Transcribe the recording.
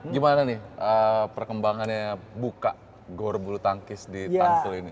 gimana nih perkembangannya buka gorbulu tangkis di tangsel ini